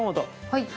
はい。